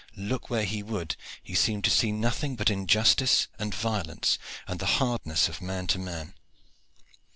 Look where he would, he seemed to see nothing but injustice and violence and the hardness of man to man.